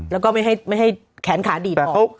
แล้วก็ไม่ให้แขนขาดีดออก